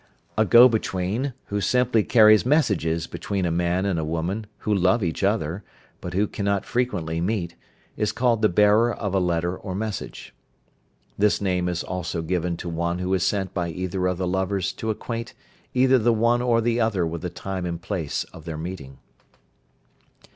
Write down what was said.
A go between, who simply carries messages between a man and a woman, who love each other, but who cannot frequently meet, is called the bearer of a letter or message. This name is also given to one who is sent by either of the lovers to acquaint either the one or the other with the time and place of their meeting.